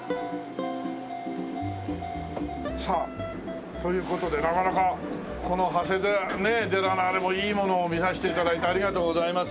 さあという事でなかなかこの長谷寺寺のあれもいいものを見させて頂いてありがとうございます。